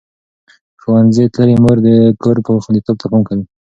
ښوونځې تللې مور د کور خوندیتوب ته پام کوي.